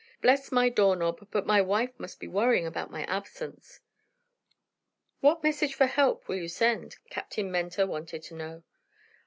"Bless my door knob, but my wife must be worrying about my absence!" "What message for help will you send?" Captain Mentor wanted to know.